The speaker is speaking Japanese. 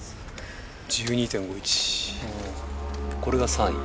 これが３位。